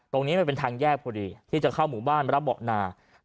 ตรงนี้มันเป็นทางแยกพอดีที่จะเข้าหมู่บ้านระเบาะนา